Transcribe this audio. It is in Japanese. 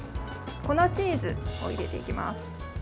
粉チーズを入れていきます。